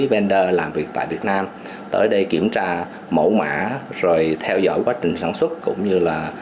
vender làm việc tại việt nam tới đây kiểm tra mẫu mã rồi theo dõi quá trình sản xuất cũng như là